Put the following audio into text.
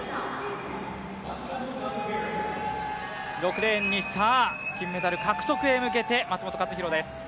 ６レーンに金メダル獲得へ向けて松元克央です。